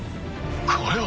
これは。